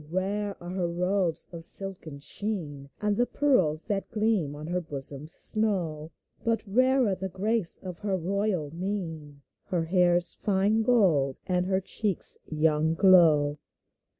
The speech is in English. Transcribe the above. rare are her robes of silken sheen, And the pearls that gleam on her bosom's snow; But rarer the grace of her royal mien, Her hair's fine gold, and her cheek's young glow.